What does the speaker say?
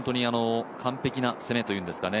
完璧な攻めというんですかね